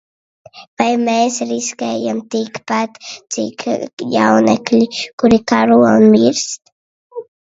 Vai mēs riskējam tikpat, cik jaunekļi, kuri karo un mirst?